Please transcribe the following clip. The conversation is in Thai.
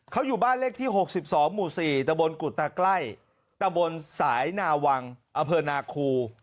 เขาอยู่บ้านเลขที่๖๒หมู่๔ตะบนกุตาใกล้ตะบนสายนาวังอำเภอนาคู